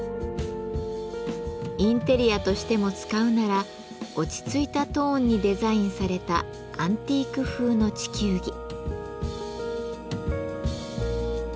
インテリアとしても使うなら落ち着いたトーンにデザインされたアンティーク風の地球儀。